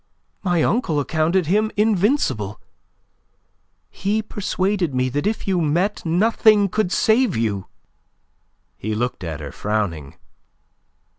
My uncle accounted him invincible; he persuaded me that if you met nothing could save you." He looked at her frowning.